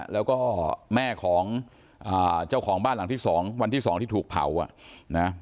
แล้วก็แม่ของเจ้าของบ้านหลังที่สองวันที่๒ที่ถูกเผาอ่ะนะ